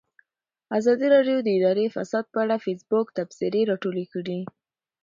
ازادي راډیو د اداري فساد په اړه د فیسبوک تبصرې راټولې کړي.